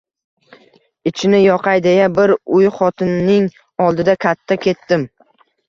Ichini yoqay deya, bir uy xotinning oldida katta ketdim